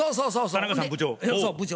田中さん部長？